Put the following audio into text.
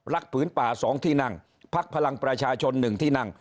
รักผืนป่าสองที่นั่งพักพลังประชาชนหนึ่งที่นั่ง